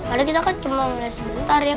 ada kita kan cuma mau liat sebentar ya